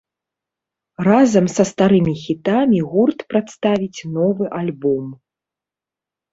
Разам са старымі хітамі гурт прадставіць новы альбом.